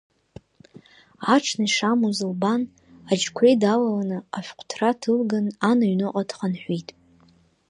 Аҽны ишамуаз лбан, аџьқәреи далаланы, ашәҟәҭра ҭылган, ан аҩныҟа дхынҳәит.